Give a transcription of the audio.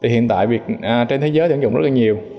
hiện tại trên thế giới ảnh dụng rất nhiều